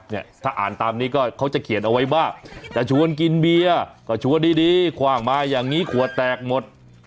เนี่ยถ้าอ่านตามนี้ก็เขาจะเขียนเอาไว้ว่าจะชวนกินเบียร์ก็ชวนดีคว่างมาอย่างนี้ขวดแตกหมด